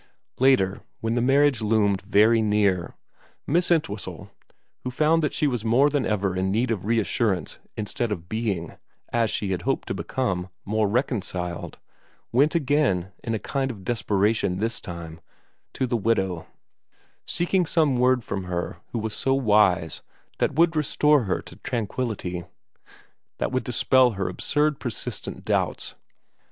Later, when the marriage loomed very near, Miss Entwhistle, who found that she was more than ever in need of reassurance instead of being, as she had hoped to become, more reconciled, went again, in a kind of desperation this time, to the widow, seeking some word from her who was so wise that would restore her to tranquillity, that would dispel her absurd persistent 106 VERA x doubts.